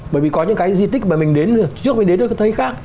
bởi vì có những cái di tích mà mình đến trước mình đến ở cái thế khác